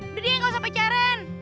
budi yang gak usah pacaran